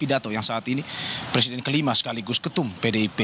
isi pidato yang saat ini presiden ke lima sekaligus ketum pdip